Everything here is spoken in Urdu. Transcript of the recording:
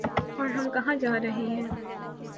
اورہم کہاں جارہے ہیں؟